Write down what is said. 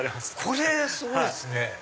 これすごいっすね。